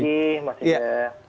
terima kasih mas huda